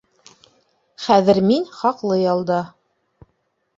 ...Хәҙер мин хаҡлы ялда.